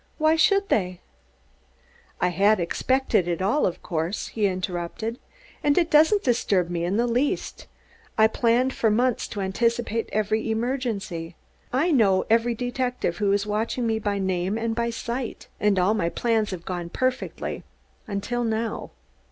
"Why should they " "I had expected it all, of course," he interrupted, "and it doesn't disturb me in the least. I planned for months to anticipate every emergency; I know every detective who is watching me by name and by sight; and all my plans have gone perfectly until now.